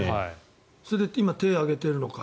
それで今、手を上げているのが。